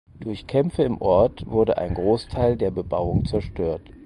Durch Kämpfe im Ort wurde ein Großteil der Bebauung zerstört.